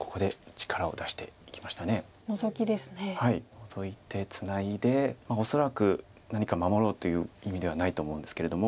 ノゾいてツナいで恐らく何か守ろうという意味ではないと思うんですけれども。